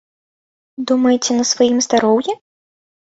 Думаеце, на сваім здароўі?